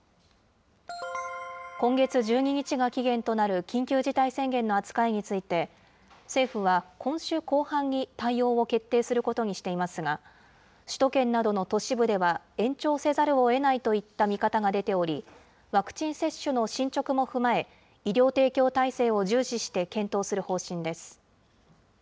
今月１２日が期限となる緊急事態宣言の扱いについて、政府は今週後半に対応を決定することにしていますが、首都圏などの都市部では延長せざるをえないといった見方が出ており、ワクチン接種の進捗も踏まえ、医療提供体制を重視して検討する方針です。